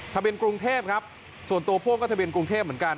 ทะเบียนกรุงเทพครับส่วนตัวพ่วงก็ทะเบียนกรุงเทพเหมือนกัน